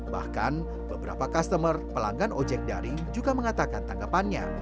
bahkan beberapa customer pelanggan ojek daring juga mengatakan tanggapannya